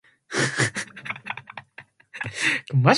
Elgon on the Kenyan border.